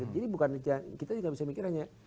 jadi bukan kita juga bisa mikir hanya